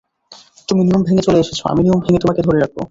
তুমি নিয়ম ভেঙে চলে এসেছ, আমি নিয়ম ভেঙে তোমাকে ধরে রাখব।